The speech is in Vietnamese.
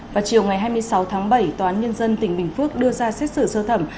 vào chiều ngày hai mươi sáu tháng bảy tòa án nhân dân tỉnh bình phước đưa ra xét xử sơ thẩm